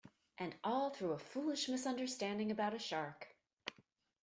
And all through a foolish misunderstanding about a shark.